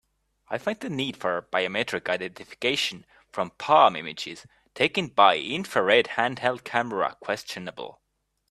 I find the need for biometric identification from palm images taken by infrared handheld camera questionable.